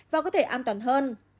và có thể an toàn hơn